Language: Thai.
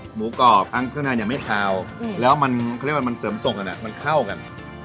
หมูกรอบอังขึ้นอ่ะยังไม่ขาวอืมแล้วมันเขาเรียกว่ามันเสริมส่งอ่ะน่ะมันเข้ากัน